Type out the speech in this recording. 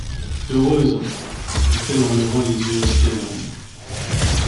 Heureuse !… dit-elle en levant les yeux au ciel.